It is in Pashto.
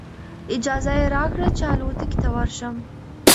اجازه یې راکړه چې الوتکې ته ورشم.